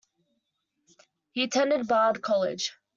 He attended Bard College.